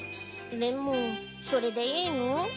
でもそれでいいの？